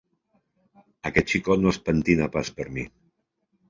Aquest xicot no es pentina pas per mi.